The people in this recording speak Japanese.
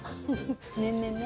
年々ね。